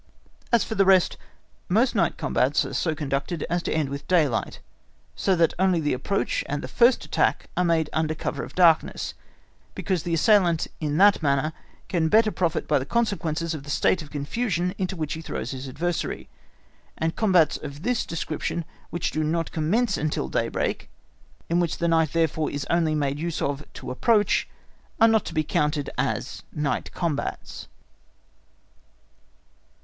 As for the rest, most night combats are so conducted as to end with daylight, so that only the approach and the first attack are made under cover of darkness, because the assailant in that manner can better profit by the consequences of the state of confusion into which he throws his adversary; and combats of this description which do not commence until daybreak, in which the night therefore is only made use of to approach, are not to be counted as night combats.